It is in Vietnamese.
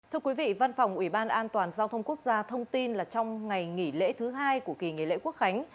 thưa quý vị văn phòng ủy ban an toàn giao thông quốc gia thông tin là trong ngày nghỉ lễ thứ hai của kỳ nghỉ lễ quốc khánh